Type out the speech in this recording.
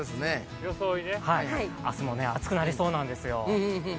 明日も暑くなりそうなんですよ。